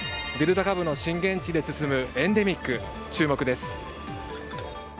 デルタ株の震源地で進むエンデミック、注目です。